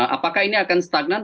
apakah ini akan stagnan